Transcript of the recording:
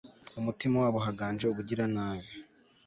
mu mutima wabo haganje ubugiranabi